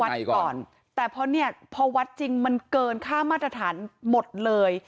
ก่อนแต่พอเนี่ยพอวัดจริงมันเกินค่ามาตรฐานหมดเลย